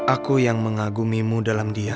aku yang mengagumimu dalam dia